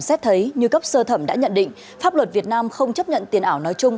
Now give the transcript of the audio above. xét thấy như cấp sơ thẩm đã nhận định pháp luật việt nam không chấp nhận tiền ảo nói chung